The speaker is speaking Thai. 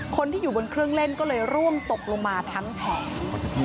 คนที่อยู่บนเครื่องเล่นก็เลยร่วงตกลงมาทั้งแผง